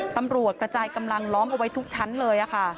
ตำรวจกระจายกำลังล้อมเอาไว้ทุกชั้นเลย